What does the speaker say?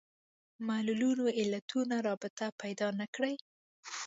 معلولونو علتونو رابطه پیدا نه کړي